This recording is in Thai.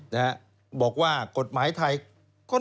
และบอกว่ากฎหมายไทยก็แน่นอนนะครับ